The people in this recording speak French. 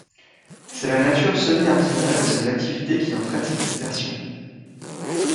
C’est la nature semi-artisanale de ces activités qui entraîne cette dispersion.